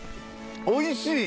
おいしい！